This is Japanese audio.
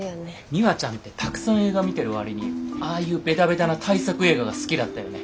ミワちゃんってたくさん映画見てる割にああいうベタベタな大作映画が好きだったよね。